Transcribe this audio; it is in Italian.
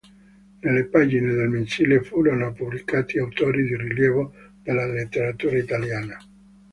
Nelle pagine del mensile furono pubblicati autori di rilievo della letteratura italiana.